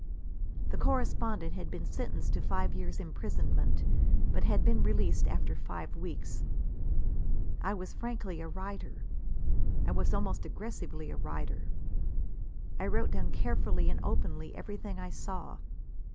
The correspondent had been sentenced to five years' imprisonment, but had been released after five weeks. I was frankly a writer. I was almost aggressively a writer. I wrote down carefully and openly everything I saw.